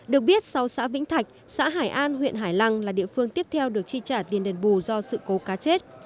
được biết sau xã vĩnh thạch xã hải an huyện hải lăng là địa phương tiếp theo được chi trả tiền đền bù do sự cố cá chết